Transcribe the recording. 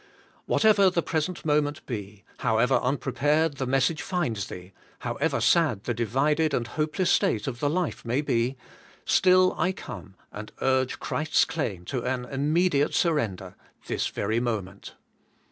Whatever the present moment be, however unprepared the message finds thee, however sad the divided and hopeless state of the life may be, still I come and urge Christ's claim to an immediate surren der — this very moment.